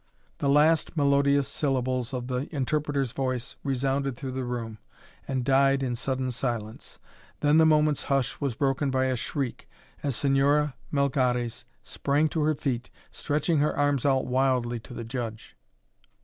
The last melodious syllables of the interpreter's voice resounded through the room, and died in sudden silence. Then the moment's hush was broken by a shriek as Señora Melgares sprang to her feet, stretching her arms out wildly to the judge.